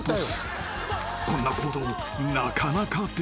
［こんな行動なかなかできません］